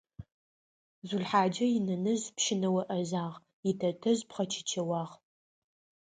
Зулхъаджэ инэнэжъ пщынэо Ӏэзагъ, итэтэжъ пхъэкӀычэуагъ.